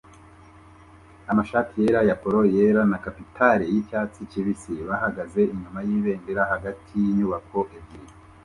amashati yera ya polo yera na capitale yicyatsi kibisi bahagaze inyuma yibendera hagati yinyubako ebyiri